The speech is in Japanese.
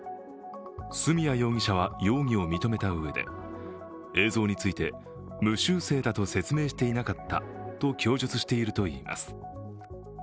角谷容疑者は容疑を認めたうえで映像について無修正だと説明していなかったと供述しているといいます。